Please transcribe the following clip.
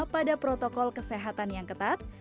pada protokol kesehatan yang ketat